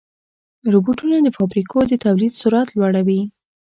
روبوټونه د فابریکو د تولید سرعت لوړوي.